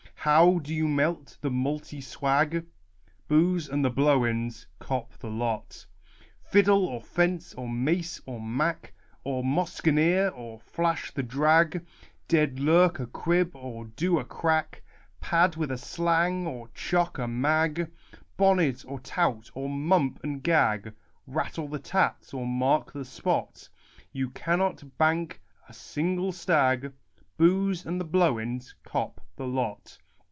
How do you melt the multy swag ? Booze and the blowens cop the lot. Fiddle, or fence, or mace, or mack ; Or moskeneer, or flash the drag; Dead lurk a crib, or do a crack ; Pad with a slang, or chuck a mag ; Bonnet, or tout, or mump and gag ; Rattle the tats, or mark the spot TO ALL CROSS COVES 177 You cannot bank a single stag: Booze and the blowens cop the lot.